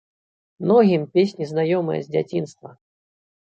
Многім песні знаёмыя з дзяцінства.